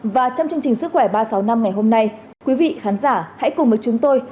và trong chương trình sức khỏe ba trăm sáu mươi năm ngày hôm nay quý vị khán giả hãy cùng với chúng tôi